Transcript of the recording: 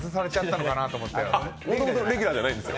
もともとレギュラーじゃないんですよ。